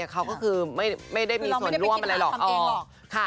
เขาก็คือไม่ได้มีส่วนร่วมอะไรหรอก